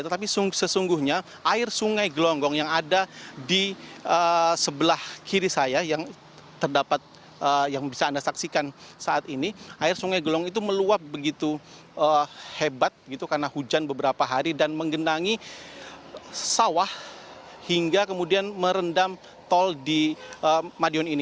tetapi sesungguhnya air sungai gelonggong yang ada di sebelah kiri saya yang terdapat yang bisa anda saksikan saat ini air sungai gelonggong itu meluap begitu hebat karena hujan beberapa hari dan mengenangi sawah hingga kemudian merendam tol di madiun ini